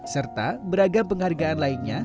serta beragam penghargaan lainnya